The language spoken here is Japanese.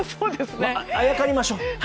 あやかりましょう。